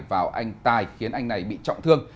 vào anh tài khiến anh này bị trọng thương